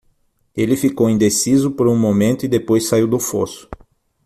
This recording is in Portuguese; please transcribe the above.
Ele ficou indeciso por um momento e depois saiu do fosso.